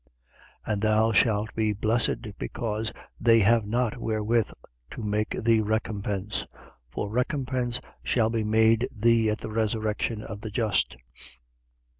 14:14. And thou shalt be blessed, because they have not wherewith to make thee recompense: for recompense shall be made thee at the resurrection of the just.